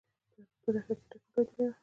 پرون په دښته کې ټکه لوېدلې وه.